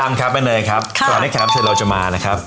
อ้าวพี่ยามครับอันนี้ครับที่เราจะมานะครับ